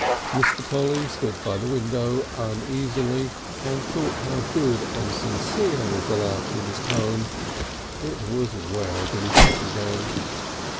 Mr. Polly stood by the window uneasily and thought how good and sincere was the Larkins tone. It was well to be back again.